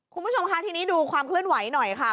คุณผู้ชมค่ะทีนี้ดูความเคลื่อนไหวหน่อยค่ะ